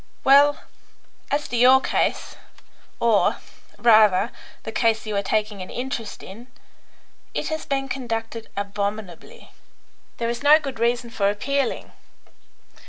Well, as to your case, or, rather, the case you are taking an interest in. It has been conducted abominably. There is no good reason for appealing.